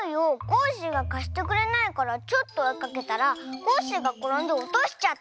コッシーがかしてくれないからちょっとおいかけたらコッシーがころんでおとしちゃったんでしょ。